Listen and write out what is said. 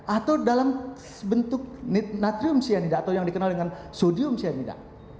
atau dalam bentuk natrium cyanida atau yang dikenal dengan sodium cyanida